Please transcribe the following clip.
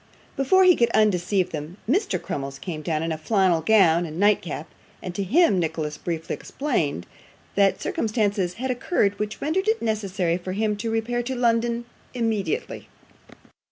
Before he could undeceive them, Mr. Crummles came down in a flannel gown and nightcap; and to him Nicholas briefly explained that circumstances had occurred which rendered it necessary for him to repair to London immediately.